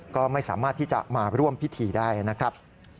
ก็ไม่สามารถที่จะมาร่วมพิธีได้นะครับ